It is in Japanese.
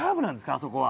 あそこは。